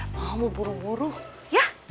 mau buru buru ya